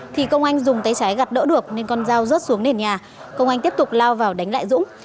thì công anh dùng tay trái gặp đỡ được nên con dao rớt xuống nền nhà công anh tiếp tục lao vào đánh lại dũng